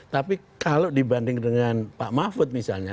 tapi kalau dibanding dengan pak mahfud misalnya